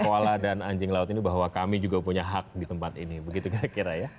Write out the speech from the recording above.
kuala dan anjing laut ini bahwa kami juga punya hak di tempat ini begitu kira kira ya